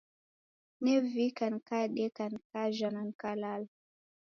Nevika, nikadeka, nikajha na nikalala.